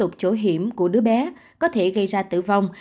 dục chỗ hiểm của đứa bé có thể gây ra tử vong